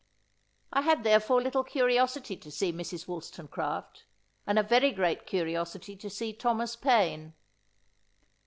I had therefore little curiosity to see Mrs. Wollstonecraft, and a very great curiosity to see Thomas Paine.